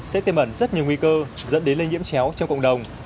sẽ tiềm ẩn rất nhiều nguy cơ dẫn đến lây nhiễm chéo trong cộng đồng